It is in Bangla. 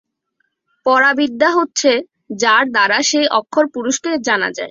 পরা বিদ্যা হচ্ছে, যার দ্বারা সেই অক্ষর পুরুষকে জানা যায়।